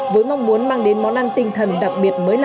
với mong muốn mang đến món ăn tinh thần đặc biệt mới lạ